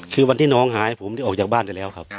คือวันที่น้องหายผมได้ออกจากบ้านไปแล้วครับ